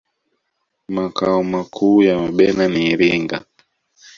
makao makuu ya Wabena ni iringa